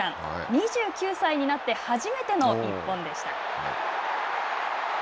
２９歳になって初めての１本でした。